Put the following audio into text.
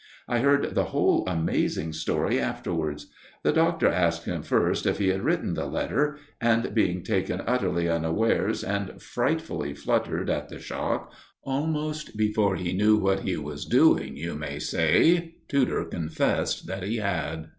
I heard the whole amazing story afterwards. The Doctor asked him first if he had written the letter, and, being taken utterly unawares and frightfully fluttered at the shock, almost before he knew what he was doing, you may say, Tudor confessed that he had.